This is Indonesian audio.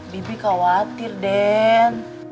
bibi khawatir den